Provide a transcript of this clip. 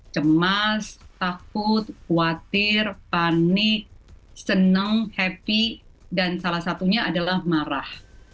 cemas takut khawatir panik senang happy dan salah satunya adalah marah